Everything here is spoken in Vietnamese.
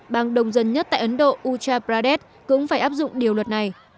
bang đông dân nhất tại ấn độ uttar pradesh cũng phải áp dụng điều luật này